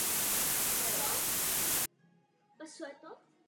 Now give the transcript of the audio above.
Nakonec na oba zaútočí nožem.